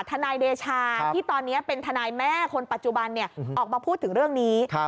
ธนายเดชาที่ตอนนี้เป็นธนายแม่คุณปัจจุบันเนี่ยออกมาพูดถึงเรื่องมีครับ